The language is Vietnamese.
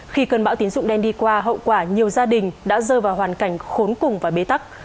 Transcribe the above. khi cơn bão tín dụng đen đi qua hậu quả nhiều gia đình đã rơi vào hoàn cảnh khốn cùng và bế tắc